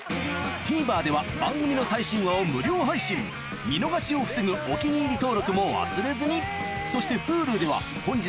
ＴＶｅｒでは番組の最新話を無料配信見逃しを防ぐ「お気に入り」登録も忘れずにそしてＨｕｌｕでは本日の放送も過去の放送も配信中